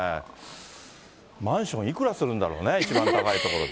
マンションいくらするんだろうね、一番高い所で。